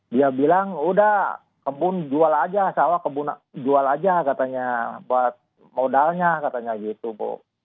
dia bilang udah kebun jual aja sawah kebun jual aja katanya buat modalnya katanya gitu bu